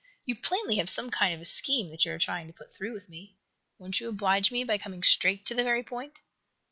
You plainly have some kind of a scheme that you are trying to put through with me. Won't you oblige me by coming straight to the very point?"